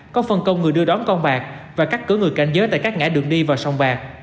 có phân công người đưa đón con bạc và cắt cửa người cảnh giới tại các ngã đường đi vào sông bạc